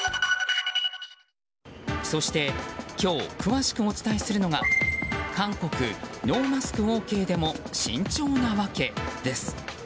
そして今日詳しくお伝えするのが韓国ノーマスクＯＫでも慎重なわけです。